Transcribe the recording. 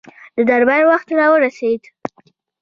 د دربار وخت را ورسېدی.